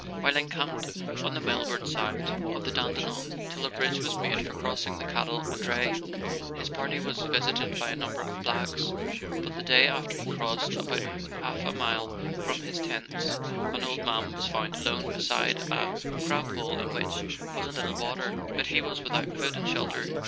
While encamped on the Melbourne side of the Dandenong till a bridge was made for crossing the cattle and dray, his party was visited by a number of blacks, but the day after he crossed, about half a mile from his tents, an old man was found alone, beside a crab hole in which was a little water, but he was without food and shelter.